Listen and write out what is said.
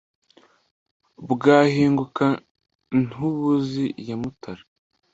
Bwahinguka Ntubuzi ya Mutara,